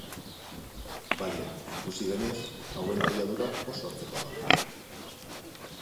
Baina, ikusi denez, hauen abiadura oso antzekoa da.